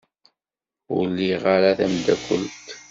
Ur liɣ ara tameddakelt.